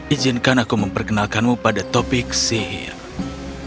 ijinkan aku memperkenalkanmu pada topik selanjutnya